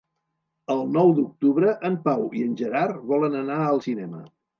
El nou d'octubre en Pau i en Gerard volen anar al cinema.